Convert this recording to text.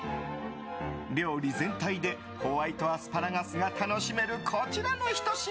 料理全体でホワイトアスパラガスが楽しめるこちらのひと品